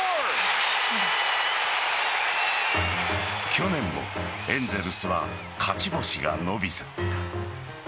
去年もエンゼルスは勝ち星が伸びず。